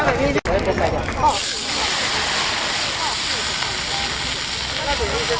สวัสดีครับสวัสดีครับ